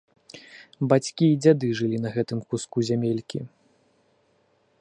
Бацькі і дзяды жылі на гэтым куску зямелькі.